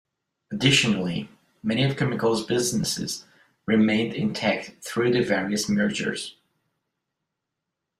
Additionally, many of Chemical's businesses remained intact through the various mergers.